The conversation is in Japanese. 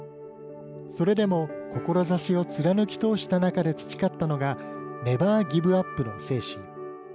それでも志を貫き通した中で培ったのがネバー・ギブアップの精神。